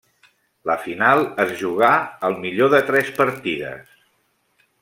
La final es jugà al millor de tres partides.